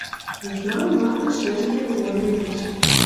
Южнам мардеж шӹжген олен пиш.